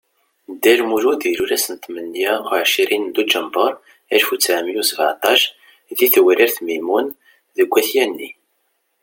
Dda Lmulud ilul ass tmenya u ɛecrin Duǧember Alef u ttɛemya u sbaɛṭac di Tewrirt Mimun deg At Yanni.